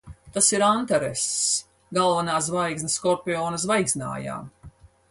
Tas ir Antaress. Galvenā zvaigzne Skorpiona zvaigznājā.